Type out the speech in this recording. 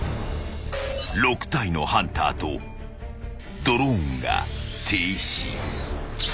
［６体のハンターとドローンが停止］